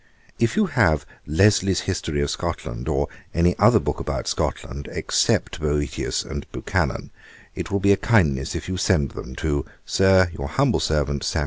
'If you have Lesley's History of Scotland, or any other book about Scotland, except Boetius and Buchanan, it will be a kindness if you send them to, Sir, 'Your humble servant, 'SAM.